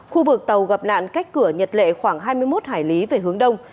khu vực tàu gặp nạn cách cửa nhật lệ khoảng hai mươi một hải lý về hướng đông